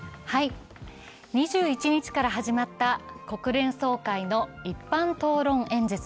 ２１日から始まった国連総会の一般討論演説。